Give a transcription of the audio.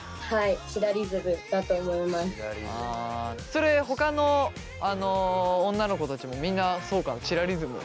それほかの女の子たちもみんなそうかなチラリズム。